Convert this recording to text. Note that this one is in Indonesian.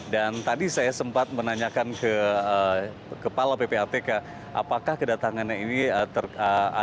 dan tadi saya sempat menanyakan ke kepala ppatk apakah kedatangannya ini ada kaitan dengan istana